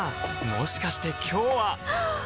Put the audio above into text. もしかして今日ははっ！